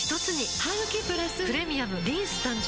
ハグキプラス「プレミアムリンス」誕生